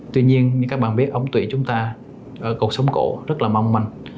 tuy nhiên như các bạn biết ống tủy chúng ta ở cột sống cổ rất là mong manh